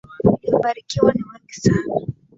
Waliobarikiwa ni wengi sana.